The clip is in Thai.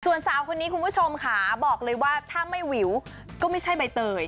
ส่วนสาวคนนี้คุณผู้ชมค่ะบอกเลยว่าถ้าไม่วิวก็ไม่ใช่ใบเตย